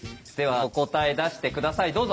ではお答え出して下さい。